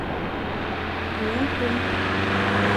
Kur ntum,